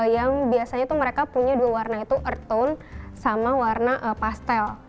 yang biasanya tuh mereka punya dua warna itu earthon sama warna pastel